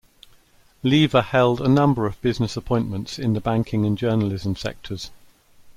Lever held a number of business appointments in the banking and journalism sectors.